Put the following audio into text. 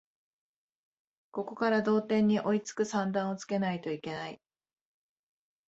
ここから同点に追いつく算段をつけないといけない